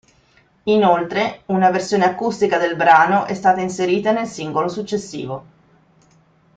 Inoltre, una versione acustica del brano è stata inserita nel singolo successivo.